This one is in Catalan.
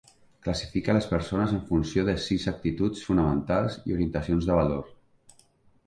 Classifica les persones en funció de sis actituds fonamentals i orientacions de valor.